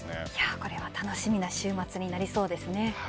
これは楽しみな週末になりそうです。